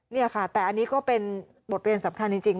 นี่ค่ะแต่อันนี้ก็เป็นบทเรียนสำคัญจริง